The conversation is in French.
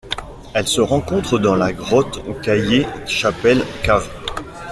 Elle se rencontre dans la grotte Caye Chapel Cave.